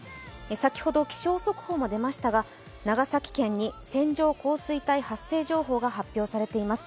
先ほど気象速報も出ましたが、長崎県に線状降水帯発生情報が発表されています。